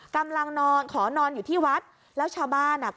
กำลังนอนขอนอนอยู่ที่วัดแล้วชาวบ้านอ่ะก็